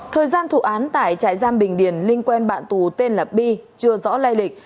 thời gian thủ án tại trại giam bình điển linh quen bạn tù tên là bi chưa rõ lây lịch